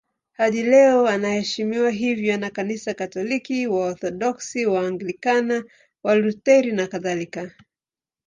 Hadi leo anaheshimiwa hivyo na Kanisa Katoliki, Waorthodoksi, Waanglikana, Walutheri nakadhalika.